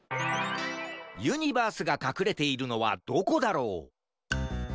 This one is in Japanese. ユニバースがかくれているのはどこだろう？